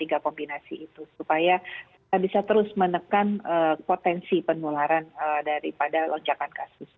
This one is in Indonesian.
sehingga kombinasi itu supaya kita bisa terus menekan potensi penularan daripada lonjakan kasus